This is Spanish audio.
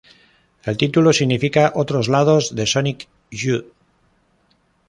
El título significa "Otros lados de Sonic Youth".